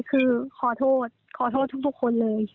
คือขอโทษขอโทษทุกคนเลย